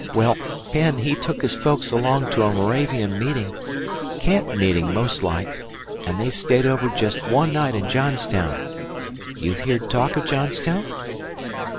Well, Penn he took his folks along to a Moravian meetin' camp meetin' most like an' they stayed over jest one night in Johns town. You've heered talk o' Johnstown?"